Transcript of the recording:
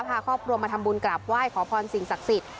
พาครอบครัวมาทำบุญกราบไหว้ขอพรสิ่งศักดิ์สิทธิ